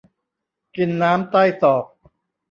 กินน้ำใต้ศอก